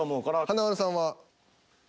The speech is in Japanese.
華丸さんは？